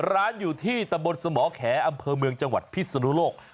ร้านอยู่ที่ตะบนสมแขอำเภอเมืองจังหวัดพิศนุโลก